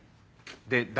で誰？